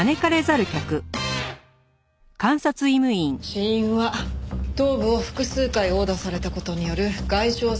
死因は頭部を複数回殴打された事による外傷性くも膜下出血。